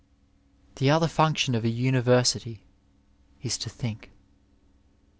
in The other function of a University is to think.